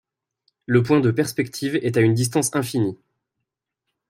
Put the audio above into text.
Le point de perspective est à une distance infinie.